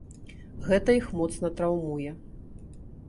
Гэта іх моцна траўмуе.